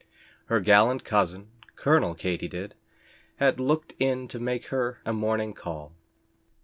Her gallant cousin, Colonel Katy Did, had looked in to make her a morning call.